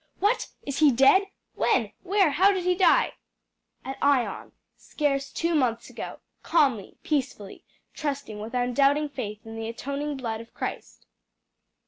"What! is he dead? When? where? how did he die?" "At Ion, scarce two months ago, calmly, peacefully, trusting with undoubting faith in the atoning blood of Christ."